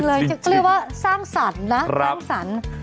เรียกว่าสร้างสรรค์นะสร้างสรรค์